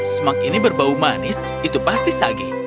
semak ini bau manis itu pasti sage